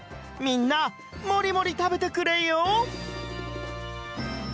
みんなモリモリ食べてくれよ！